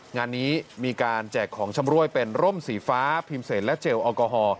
งานนี้มีการแจกของชำรวยเป็นร่มสีฟ้าพิมพ์เศษและเจลแอลกอฮอล